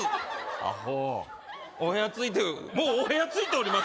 アホアホお部屋着いてもうお部屋着いております